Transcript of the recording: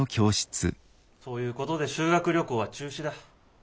そういうことで修学旅行は中止だ。